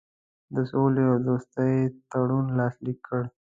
د سولي او دوستي تړون لاسلیک کړ.